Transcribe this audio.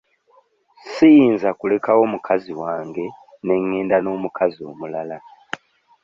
Siyinza kulekawo mukazi wange ne ngenda n'omukazi omulala.